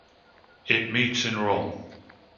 It meets in Rome.